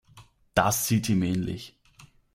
Das sieht ihm ähnlich.